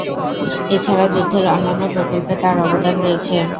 এছাড়া যুদ্ধের অন্যান্য প্রকল্পে তার অবদান রয়েছে।